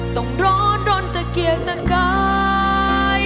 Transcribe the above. ต้องร้อนรนแต่เกียรตะกาย